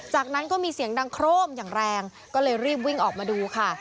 จากนั้นก็มีเสียงดังโครมอย่างแรงก็เลยรีบวิ่งออกมาดูค่ะ